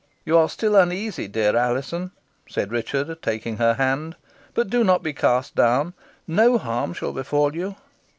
"You are still uneasy, dear Alizon," said Richard, taking her hand; "but do not be cast down. No harm shall befall you."